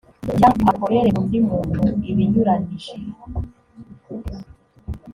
cyangwa akorere undi muntu ibinyuranyije